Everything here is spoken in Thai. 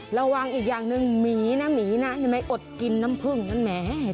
ระวังอีกอย่างหนึ่งหมีนะนี่ไหมอดกินน้ำพึ่งนั่นแม่